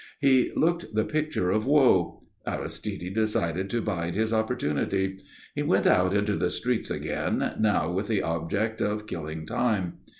He looked the picture of woe. Aristide decided to bide his opportunity. He went out into the streets again, now with the object of killing time.